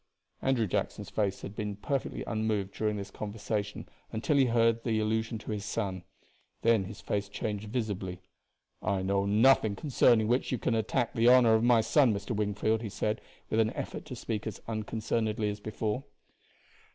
Andrew Jackson's face had been perfectly unmoved during this conversation until he heard the allusion to his son. Then his face changed visibly. "I know nothing concerning which you can attack the honor of my son, Mr. Wingfield," he said, with an effort to speak as unconcernedly as before.